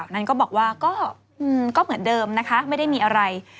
นั้นก็บอกว่าก็เหมือนเดิมนะคะไม่ได้มีอะไร